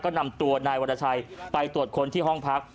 ก็นำตัวนายวรชัยไปตรวจคนที่ห้องพัก